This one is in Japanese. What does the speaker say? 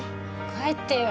帰ってよ！